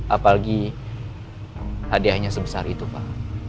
apalagi hadiahnya sebesar itu pak